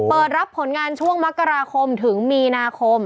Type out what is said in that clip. เปิดรับผลงานช่วงมกราคมถึงมีนาคม